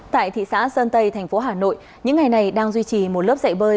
tại thị xã sơn tây thành phố hà nội những ngày này đang duy trì một lớp dạy bơi